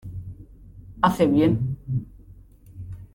hace bien.